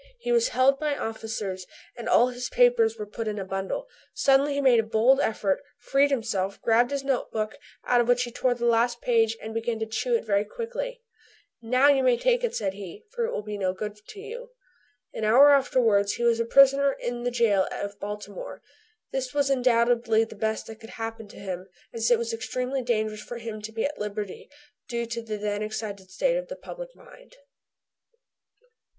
He was held by officers, and all his papers were put in a bundle. Suddenly he made a bold effort, freed himself, grabbed his note book, out of which he tore the last page and began to chew it very quickly. "Now you can take it," said he, "for it will be no good to you." An hour afterwards he was a prisoner in the jail of Baltimore. This was undoubtedly the best that could happen to him, as it was extremely dangerous for him to be at liberty due to the then excited state of the public mind.